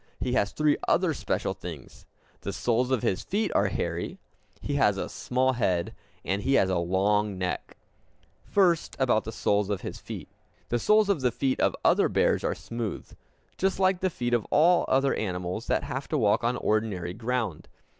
He has three other special things: the soles of his feet are hairy; he has a small head; and he has a long neck. First, about the soles of his feet. The soles of the feet of other bears are smooth, just like the feet of all other animals that have to walk on ordinary ground.